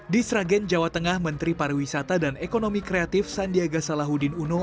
di sragen jawa tengah menteri pariwisata dan ekonomi kreatif sandiaga salahuddin uno